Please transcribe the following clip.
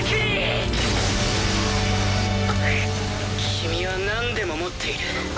君はなんでも持っている。